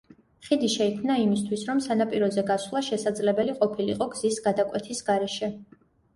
ხიდი შეიქმნა იმისათვის, რომ სანაპიროზე გასვლა შესაძლებელი ყოფილიყო გზის გადაკვეთის გარეშე.